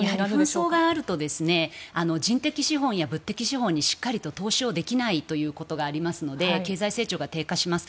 紛争があると人的資本や物的資本にしっかりと投資できないことがありますので経済成長が低下します。